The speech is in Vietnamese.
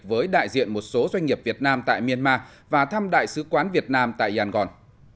với đại diện một số doanh nghiệp việt nam tại myanmar và thăm đại sứ quán việt nam tại yangon